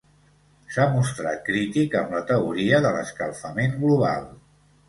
S'ha mostrat crític amb la teoria de l'escalfament global.